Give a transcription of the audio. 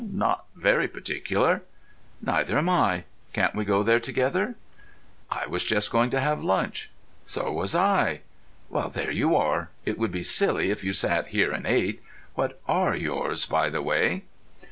"Not very particular." "Neither am I. Can't we go there together?" "I was just going to have lunch." "So was I. Well, there you are. It would be silly if you sat here and ate—what are yours, by the way?"